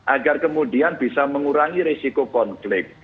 agar kemudian bisa mengurangi risiko konflik